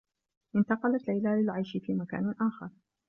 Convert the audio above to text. انتقلت ليلى للعيش في مكان آخر.